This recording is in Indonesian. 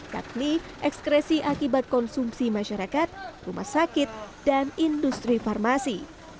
yakni ekskresi akibat konsumsi masyarakat rumah sakit dan industri farmasi